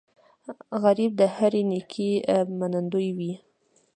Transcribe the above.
غریب د هرې نیکۍ منندوی وي